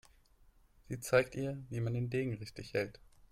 Sie zeigt ihr, wie man den Degen richtig hält.